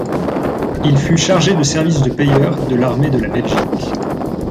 Il fut chargé de service de payeur de l’armée de la Belgique.